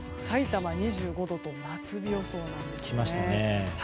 さいたま、２５度と夏日予想なんですね。